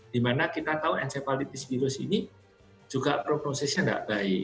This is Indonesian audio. di mana kita tahu encephalitis virus ini juga prosesnya tidak baik